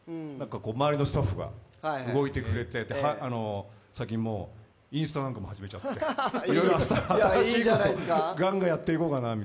周りのスタッフが動いてくれて、最近インスタなんかも始めちゃって、新しいことをガンガンやっていこうかなと。